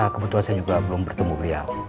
kebetulan saya juga belum bertemu beliau